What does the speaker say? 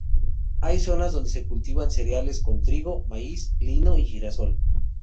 Hay zonas donde se cultivan cereales como trigo, maíz, lino y girasol.